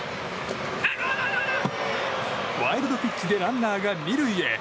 ワイルドピッチでランナーが２塁へ。